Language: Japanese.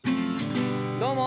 どうも。